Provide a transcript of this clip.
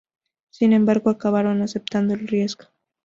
Sin embargo, acabaron aceptando el riesgo.